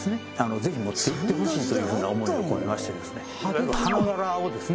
ぜひ持っていってほしいというふうな思いを込めまして花柄をですね